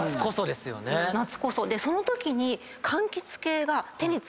でそのときに。